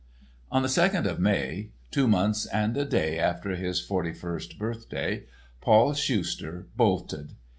On the second of May—two months and a day after his forty first birthday—Paul Schuster bolted.